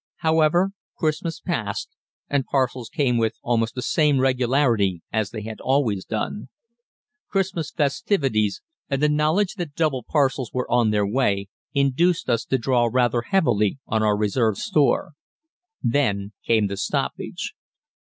However, Christmas passed and parcels came with almost the same regularity as they had always done. Christmas festivities, and the knowledge that double parcels were on their way, induced us to draw rather heavily on our reserve store. Then came the stoppage.